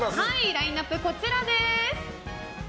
ラインアップこちらです。